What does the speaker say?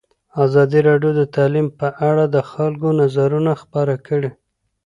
ازادي راډیو د تعلیم په اړه د خلکو نظرونه خپاره کړي.